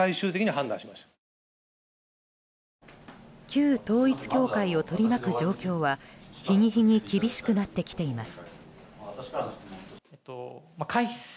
旧統一教会を取り巻く状況は日に日に厳しくなっています。